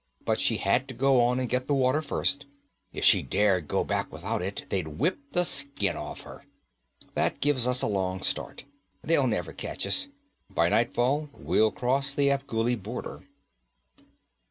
But she had to go on and get the water first; if she dared go back without it, they'd whip the skin off her. That gives us a long start. They'll never catch us. By nightfall we'll cross the Afghuli border.'